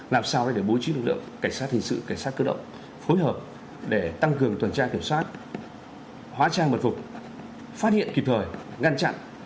làm sao để bố trí lực lượng cảnh sát hình sự cảnh sát cơ động phối hợp để tăng cường tuần tra kiểm soát hóa trang mật phục phát hiện kịp thời ngăn chặn